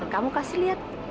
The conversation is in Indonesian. kamu kasih lihat